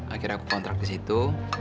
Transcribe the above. akhirnya aku kontrak di situ